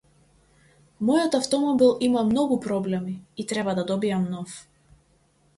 Мојот автомобил има многу проблеми и треба да добијам нов.